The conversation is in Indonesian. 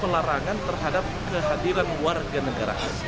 dan pelarangan terhadap kehadiran warga negara